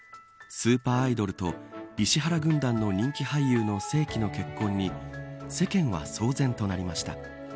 スーパーアイドルと石原軍団の人気俳優の世紀の結婚に世間は騒然となりました。